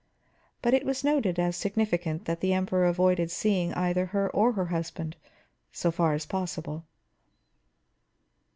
But it was noted as significant that the Emperor avoided seeing either her or her husband, so far as possible.